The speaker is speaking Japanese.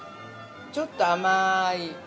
◆ちょっと甘い。